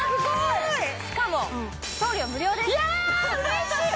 しかも送料無料です嬉しい！